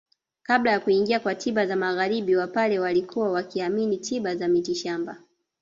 Kabla ya kuingia kwa tiba za magharibi wapare walikuwa wakiamini tiba za mitishamba